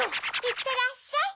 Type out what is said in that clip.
いってらっしゃい。